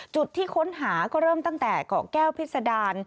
จุดที่ค้นหาก็เริ่มตั้งแต่เกาะแก้วพิษดาร